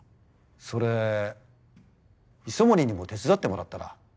それ磯森にも手伝ってもらったら？